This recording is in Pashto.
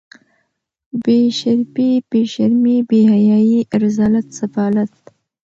بې شرفي بې شرمي بې حیايي رذالت سفالت